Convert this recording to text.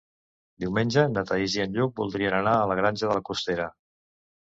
Diumenge na Thaís i en Lluc voldrien anar a la Granja de la Costera.